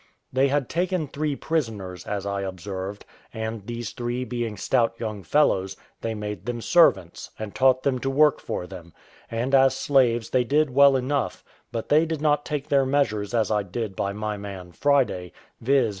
They had taken three prisoners, as I observed; and these three being stout young fellows, they made them servants, and taught them to work for them, and as slaves they did well enough; but they did not take their measures as I did by my man Friday, viz.